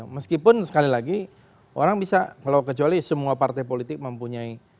meskipun sekali lagi orang bisa kalau kecuali semua partai politik mempunyai